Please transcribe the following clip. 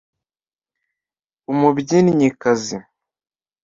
umubyinnyikazi